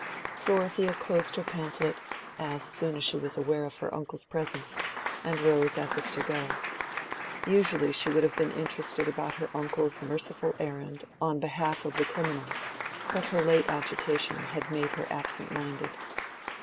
Dorothea closed her pamphlet, as soon as she was aware of her uncle's presence, and rose as if to go. Usually she would have been interested about her uncle's merciful errand on behalf of the criminal, but her late agitation had made her absent minded.